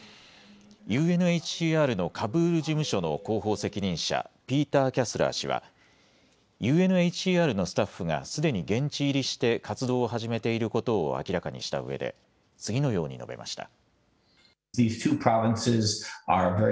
ＵＮＨＣＲのカブール事務所の広報責任者、ピーター・キャスラー氏はＵＮＨＣＲのスタッフがすでに現地入りして、活動を始めていることを明らかにしたうえで次のように述べました。